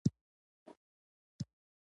ټوله شپه ډزې روانې وې.